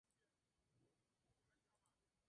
Existen titulaciones en todas estas especialidades.